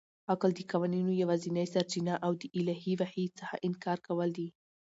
عقل د قوانینو یوازنۍ سرچینه او د الهي وحي څخه انکار کول دي.